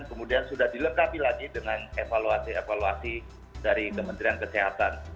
kemudian sudah dilengkapi lagi dengan evaluasi evaluasi dari kementerian kesehatan